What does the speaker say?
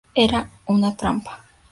Era una trampa.